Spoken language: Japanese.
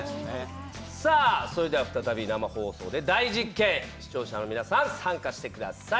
再び生放送で大実験視聴者の皆さん参加してください。